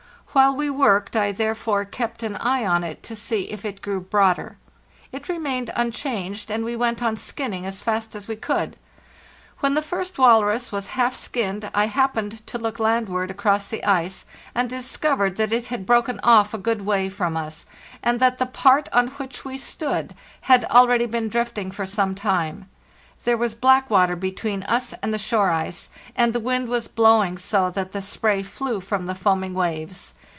While we worked I therefore kept an eye on it to see if it grew broader. It remained un changed, and we went on skinning as fast as we could. When the first walrus was half skinned, I happened to look landward across the ice, and discovered that it had broken off a good way from us, and that the part on which we stood had already been drifting for some time; there was black water between us and the shore ice, and the wind was blowing so that the spray flew from the foaming waves.